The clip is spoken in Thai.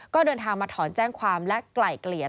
ก็เดินทางมาถอนแจ้งความและไกล่เกลี่ย